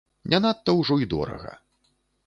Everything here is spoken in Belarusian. Не надта ўжо і дорага.